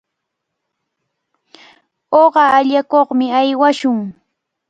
Uqa allakuqmi aywashun.